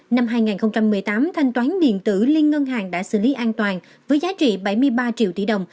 năm hai nghìn một mươi tám thanh toán điện tử liên ngân hàng đã xử lý an toàn với giá trị bảy mươi ba triệu tỷ đồng